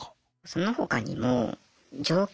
その他にも条件